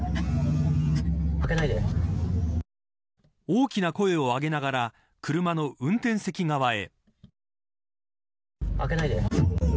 大きな声を上げながら車の運転席側へ。